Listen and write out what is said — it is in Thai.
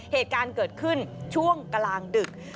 เหตุการณ์เกิดขึ้นช่วงกลางดึก